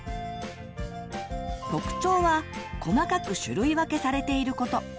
特徴は細かく種類分けされていること。